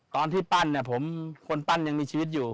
ตอนที่ปั้นเนี่ยผมคนปั้นยังมีชีวิตอยู่